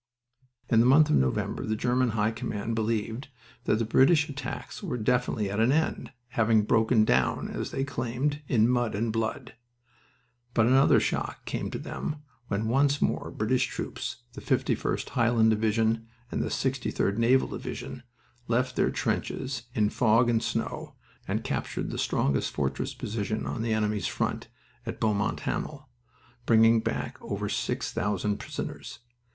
In the month of November the German High Command believed that the British attacks were definitely at an end, "having broken down," as they claimed, "in mud and blood," but another shock came to them when once more British troops the 51st Highland Division and the 63d Naval Division left their trenches, in fog and snow, and captured the strongest fortress position on the enemy's front, at Beaumont Hamel, bringing back over six thousand prisoners.